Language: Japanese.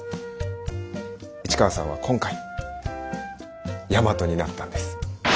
市川さんは今回大和になったんです。